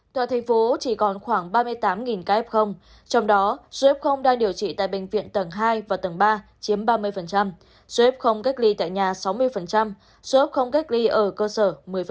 tại thành phố chỉ còn khoảng ba mươi tám ca f trong đó số f đang điều trị tại bệnh viện tầng hai và tầng ba chiếm ba mươi jef không cách ly tại nhà sáu mươi số không cách ly ở cơ sở một mươi